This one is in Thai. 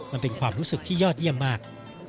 มันเป็นความรู้สึกที่ยอดเยี่ยมมาก